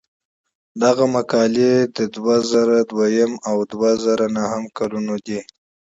دغه مقالې د دوه زره دویم او دوه زره نهم کلونو دي.